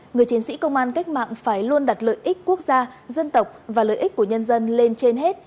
người chiến sĩ công an cách mạng phải luôn đặt lợi ích quốc gia dân tộc và lợi ích của nhân dân lên trên hết